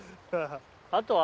あとは？